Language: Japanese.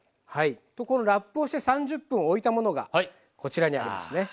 このラップをして３０分おいたものがこちらにありますね。